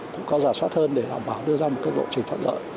cũng có giả soát hơn để đảm bảo đưa ra một cái lộ trình thuận lợi